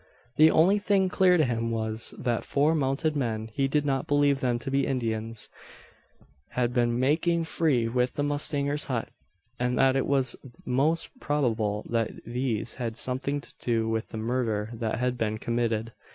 The only thing clear to him was, that four mounted men he did not believe them to be Indians had been making free with the mustanger's hut; and that it was most probable that these had something to do with the murder that had been committed.